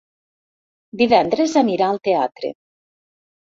Divendres anirà al teatre.